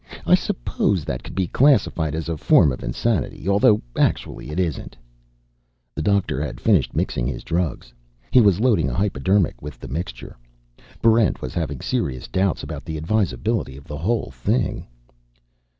I suppose that could be classified as a form of insanity, although actually it isn't." The doctor had finished mixing his drugs. He was loading a hypodermic with the mixture. Barrent was having serious doubts about the advisability of the whole thing.